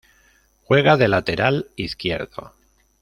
Juega de lateral izquierdo.